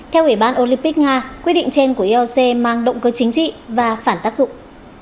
theo ủy ban olympic nga quyết định trên của ioc mang động cơ chính trị và phản tác dụng